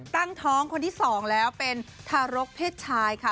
ตั้งท้องคนที่๒แล้วเป็นทารกเพศชายค่ะ